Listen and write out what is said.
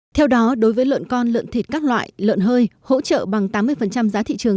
theo đó đối với lợn con lợn thịt các loại lợn hơi hỗ trợ bằng tám mươi giá thị trường